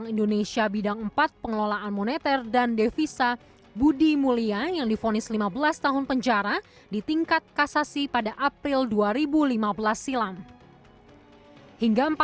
kasus lain yang pengusuhan kpk ini adalah kemampuan kpk untuk menjaga kekuasaan negara